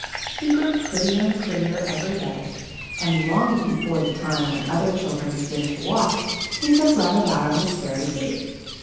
He grew prettier and prettier every day, and long before the time when other children begin to walk, he could run about on his fairy feet.